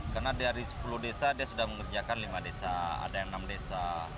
karena dari sepuluh desa dia sudah mengerjakan lima desa ada yang enam desa